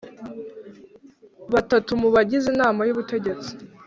Batatu mu bagize inama y ubutegetsi